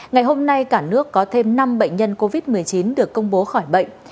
ngày hôm nay cả nước có thêm năm bệnh nhân covid một mươi chín được công bố khỏi bệnh